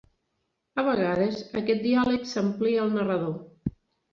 A vegades, aquest diàleg s'amplia al narrador.